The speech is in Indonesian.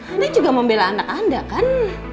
anda juga membela anak anda kan